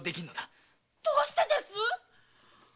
どうしてですっ